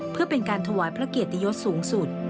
เพื่อเป็นการถวายพระเกียรติยศสูงสุด